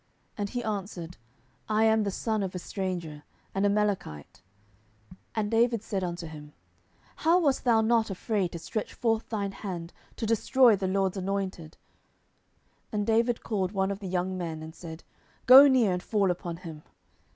And he answered, I am the son of a stranger, an Amalekite. 10:001:014 And David said unto him, How wast thou not afraid to stretch forth thine hand to destroy the LORD's anointed? 10:001:015 And David called one of the young men, and said, Go near, and fall upon him.